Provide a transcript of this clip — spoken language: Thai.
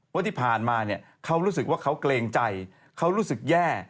ว่าที่ผ่านมาเขารู้สึกว่าเขาเกรงใจเขารู้สึกแย่